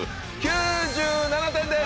９７点です！